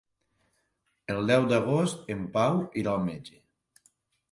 El deu d'agost en Pau irà al metge.